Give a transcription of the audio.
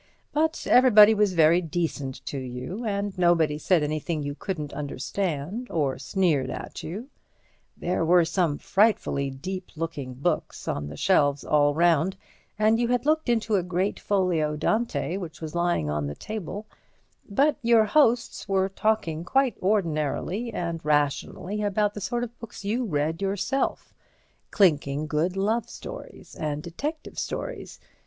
But everybody was very decent to you, and nobody said anything you couldn't understand, or sneered at you. There were some frightfully deep looking books on the shelves all round, and you had looked into a great folio Dante which was lying on the table, but your hosts were talking quite ordinarily and rationally about the sort of books you read yourself—clinking good love stories and detective stories.